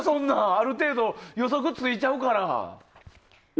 ある程度、予測ついちゃうから。